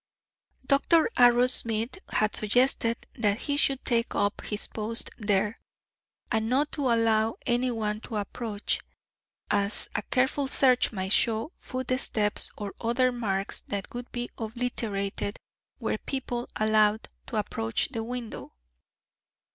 Dr. Arrowsmith had suggested that he should take up his post there, and not allow any one to approach, as a careful search might show footsteps or other marks that would be obliterated were people allowed to approach the window.